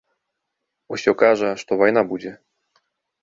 Усё кажа, што вайна будзе.